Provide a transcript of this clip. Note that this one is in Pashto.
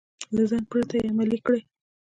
له ځنډ پرته يې عملي کړئ.